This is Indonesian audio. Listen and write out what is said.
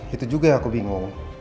itu juga yang aku bingung